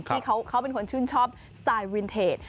ที่เขาเป็นคนชื่นชอบสไตล์วินเทจ